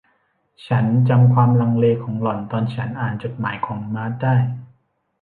ฉันจำความลังเลของหล่อนตอนฉันอ่านจดหมายของมาร์ธได้